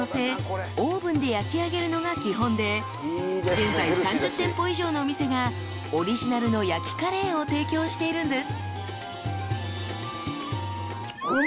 ［現在３０店舗以上のお店がオリジナルの焼きカレーを提供しているんです］